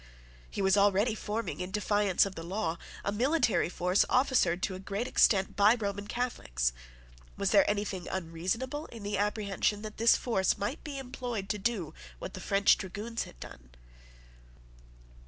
He was already forming, in defiance of the law, a military force officered to a great extent by Roman Catholics. Was there anything unreasonable in the apprehension that this force might be employed to do what the French dragoons had done?